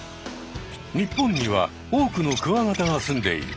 日本には多くのクワガタがすんでいる。